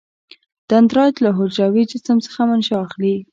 دندرایت له حجروي جسم څخه منشا اخلي.